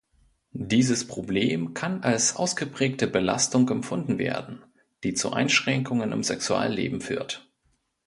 Dieses Problem kann als ausgeprägte Belastung empfunden werden, die zu Einschränkungen im Sexualleben führt.